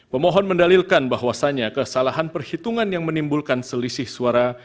pemohon mendalilkan bahwasannya kesalahan perhitungan yang menimbulkan selisih suara